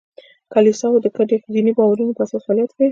کلیساوې د ګډو دیني باورونو په اساس فعالیت کوي.